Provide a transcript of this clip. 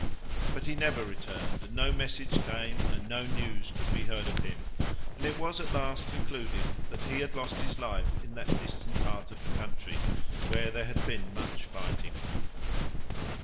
But he never returned, and no message came and no news could be heard of him, and it was at last concluded that he had lost his life in that distant part of the country, where there had been much fighting.